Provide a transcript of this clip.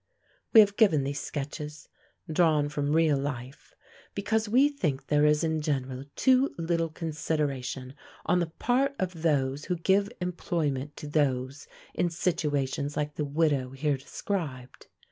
We have given these sketches, drawn from real life, because we think there is in general too little consideration on the part of those who give employment to those in situations like the widow here described.